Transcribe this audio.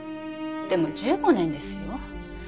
でも１５年ですよ。